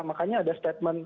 makanya ada statement